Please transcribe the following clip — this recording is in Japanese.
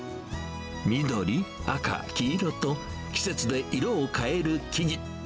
緑、赤、黄色と、季節で色を変える木々。